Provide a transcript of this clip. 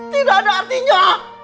tidak ada artinya